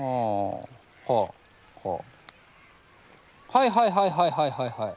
はいはいはいはいはいはいはい！